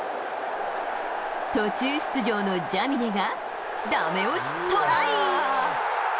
途中出場のジャミネが、ダメ押しトライ。